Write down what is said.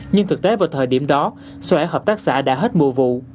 nhưng thực tế vào thời điểm đó xoài hợp tác xã đã hết mùa vụ